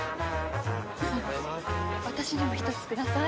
私にも１つください。